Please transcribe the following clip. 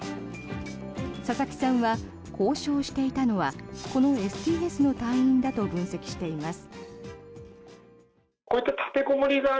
佐々木さんは交渉していたのはこのＳＴＳの隊員だと分析しています。